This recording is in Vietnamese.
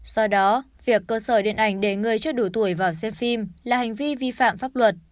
do đó việc cơ sở điện ảnh để người chưa đủ tuổi vào xem phim là hành vi vi phạm pháp luật